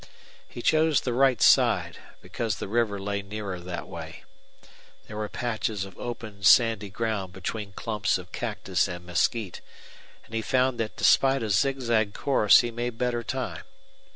He chose the right side, because the river lay nearer that way. There were patches of open sandy ground between clumps of cactus and mesquite, and he found that despite a zigzag course he made better time.